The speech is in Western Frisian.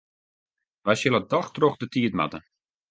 Wy sille dochs troch de tiid moatte.